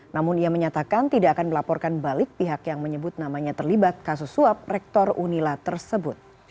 namun ia menyatakan tidak akan melaporkan balik pihak yang menyebut namanya terlibat kasus suap rektor unila tersebut